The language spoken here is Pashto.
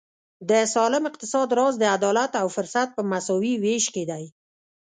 د سالم اقتصاد راز د عدالت او فرصت په مساوي وېش کې دی.